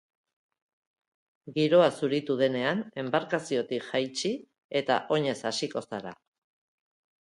Giroa zuritu denean, enbarkaziotik jaitsi eta oinez hasiko zara.